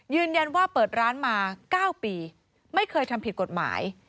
ยืนยันว่าเปิดร้านมา๙ปีไม่เคยทำผิดกฎหมาย